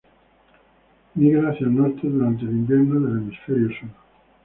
Migra hacia el norte durante el invierno del hemisferio sur.